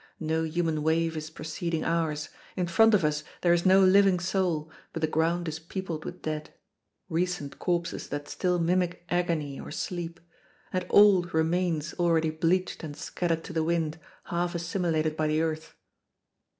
No human wave is preceding ours; in front of us there is no living soul, but the ground is peopled with dead recent corpses that still mimic agony or sleep, and old remains already bleached and scattered to the wind, half assimilated by the earth.